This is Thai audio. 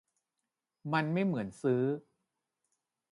มันไม่เหมือนซื้อ